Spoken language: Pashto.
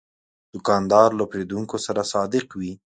دوکاندار له پیرودونکو سره صادق وي.